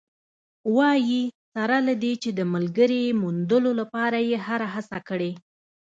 وايي، سره له دې چې د ملګرې موندلو لپاره یې هره هڅه کړې